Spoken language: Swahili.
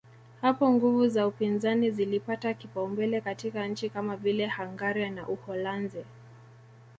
Hapo nguvu za upinzani zilipata kipaumbele katika nchi kama vile Hungaria na Uholanzi